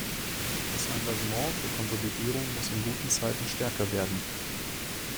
Das Engagement für Konsolidierung muss in guten Zeiten stärker werden.